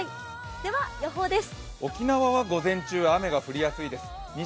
では予報です。